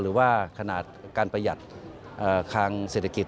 หรือว่าขนาดการประหยัดทางเศรษฐกิจ